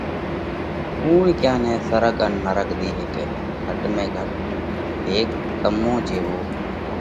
ڪُوڻ ڪيا نئہ سرڳ ان نرڳ ۮي هيڪئه؟ گھٽ ۾ گھٽ هيڪ تمون جيوو